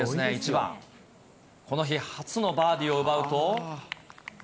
１番、この日、初のバーディーを奪うと。